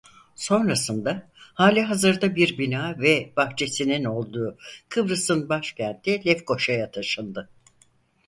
Sonrasında hâlihazırda bir bina ve bahçesinin olduğu Kıbrıs'ın başkenti Lefkoşa'ya taşındı.